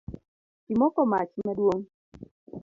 Imoko mach maduong